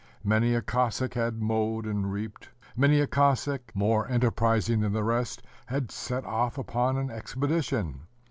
Many a Cossack had mowed and reaped: many a Cossack, more enterprising than the rest, had set off upon an expedition.